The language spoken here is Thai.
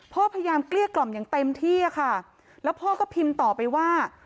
พยายามเกลี้ยกล่อมอย่างเต็มที่อะค่ะแล้วพ่อก็พิมพ์ต่อไปว่า